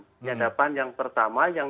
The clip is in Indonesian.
penyadapan yang pertama yang